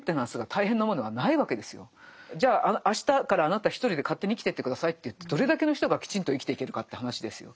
じゃああしたからあなた一人で勝手に生きてって下さいといってどれだけの人がきちんと生きていけるかって話ですよ。